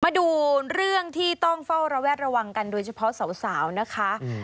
มาดูเรื่องที่ต้องเฝ้าระแวดระวังกันโดยเฉพาะสาวนะคะ